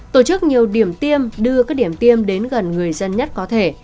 tổ chức nhiều điểm tiêm đưa các điểm tiêm đến gần người dân nhất có thể